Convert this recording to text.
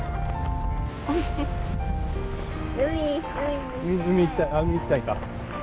あっ海行きたいか。